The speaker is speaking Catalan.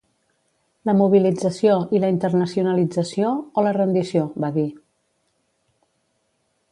La mobilització i la internacionalització o la rendició, va dir.